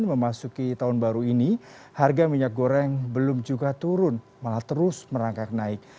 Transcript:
memasuki tahun baru ini harga minyak goreng belum juga turun malah terus merangkak naik